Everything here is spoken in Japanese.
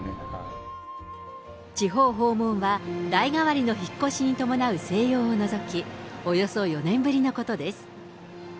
地方訪問は代替わりの引っ越しに伴う静養を除き、およそ４年ぶりのことです。